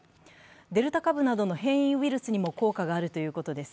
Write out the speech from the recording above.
デルタ株などの変異ウイルスにも効果があるということです。